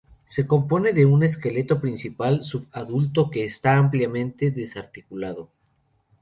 Se compone de un esqueleto parcial, sub-adulto, que está ampliamente desarticulado.